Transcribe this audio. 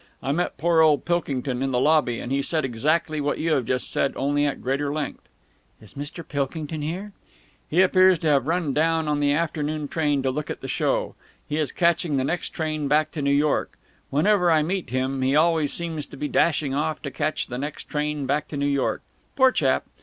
I met poor old Pilkington in the lobby, and he said exactly what you have just said, only at greater length." "Is Mr. Pilkington here?" "He appears to have run down on the afternoon train to have a look at the show. He is catching the next train back to New York! Whenever I meet him, he always seems to be dashing off to catch the next train back to New York! Poor chap!